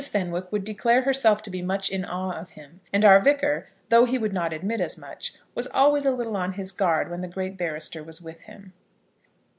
Fenwick would declare herself to be much in awe of him; and our Vicar, though he would not admit as much, was always a little on his guard when the great barrister was with him.